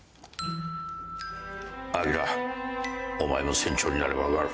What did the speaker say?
明お前も船長になれば分かる。